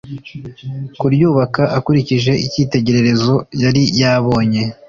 kuryubaka akurikije icyitegererezo yari yabonye